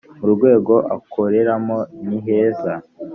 mu rwego akoreramo niheza.